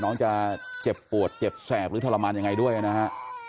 น้องจะเจ็บปวดเจ็บแสบหรือทรมานยังไงด้วยนะฮะ